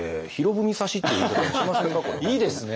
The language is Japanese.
いいですね